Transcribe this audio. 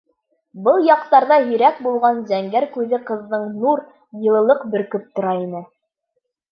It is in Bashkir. Был яҡтарҙа һирәк булған зәңгәр күҙе ҡыҙҙың нур, йылылыҡ бөркөп тора ине.